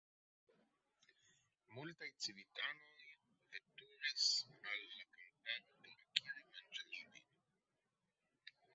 Multaj civitanoj veturis al la kamparo por akiri manĝaĵojn.